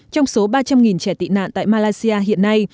trong số ba trăm linh trẻ tị nạn tại malaysia hiện nay